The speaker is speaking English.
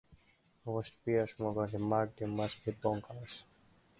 Host Piers Morgan remarked, You must be bonkers.